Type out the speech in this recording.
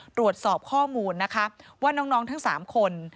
ตรวจสอบข้อมูลนะคะว่าน้องทั้ง๓คน